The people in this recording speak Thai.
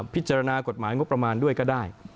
พิจารณากฎหมายงบประมาณด้วยก็ได้